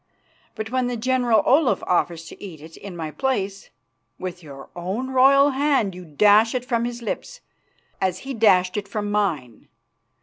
But when the General Olaf offers to eat it in my place, with your own royal hand you dash it from his lips, as he dashed it from mine.